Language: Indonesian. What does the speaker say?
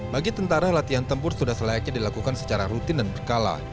bagi tentara latihan tempur sudah selayaknya dilakukan secara rutin dan berkala